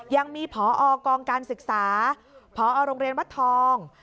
ยังมีพอกองการศึกษาพอโรงเรียนวัดทอง